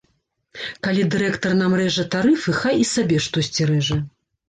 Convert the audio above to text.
Калі дырэктар нам рэжа тарыфы, хай і сабе штосьці рэжа.